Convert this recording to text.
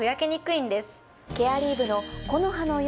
ケアリーヴの。